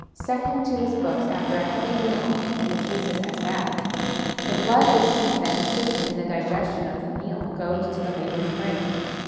Set him to his books after a heavy meal, and the case is as bad ; the blood which should have been assisting in the digestion of the meal goes to the labouring brain.